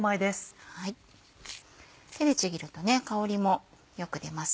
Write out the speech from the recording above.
手でちぎると香りもよく出ます。